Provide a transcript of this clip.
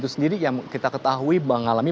sendiri yang kita ketahui mengalami